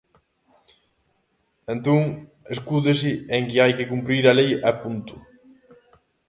Entón escúdase en que hai que cumprir a lei e punto.